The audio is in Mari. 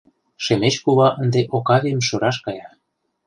Шемеч кува ынде Окавийым шӧраш кая.